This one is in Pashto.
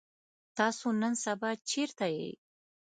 تاسو نن سبا چرته يئ؟